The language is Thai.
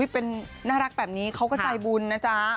เป็นน่ารักแบบนี้เขาก็ใจบุญนะจ๊ะ